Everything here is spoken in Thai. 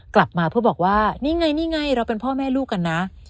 กลับมาเพื่อบอกว่านี่ไงนี่ไงเราเป็นพ่อแม่ลูกกันนะ